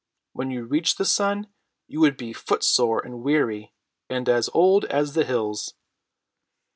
When you reached the sun you would be footsore and weary, and as old as the hills."